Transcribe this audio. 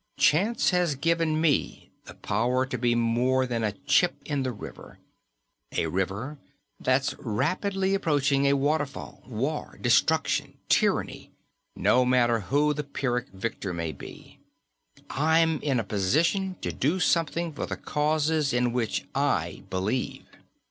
Chance has given me the power to be more than a chip in the river a river that's rapidly approaching a waterfall, war, destruction, tyranny, no matter who the Pyrrhic victor may be. I'm in a position to do something for the causes in which I believe."